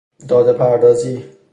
داده پردازی